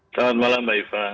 saat malam mbak eva